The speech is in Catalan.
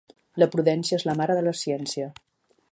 La prudència és la mare de la ciència.